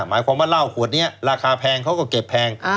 หมายความว่าเหล้าขวดนี้ราคาแพงเขาก็เก็บแพง